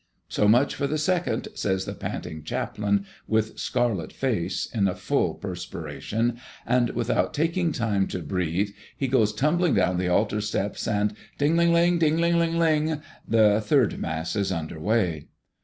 "So much for the second," says the panting chaplain, with scarlet face, in a full perspiration; and without taking time to breathe, he goes tumbling down the altar steps, and Ding, ling, ling! Ding, ling, ling! The third Mass is under way.